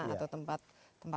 atau tempat sampah